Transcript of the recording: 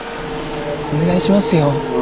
お願いしますよ。